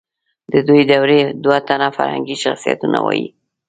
د دې دورې دوه تنه فرهنګي شخصیتونه ووایئ.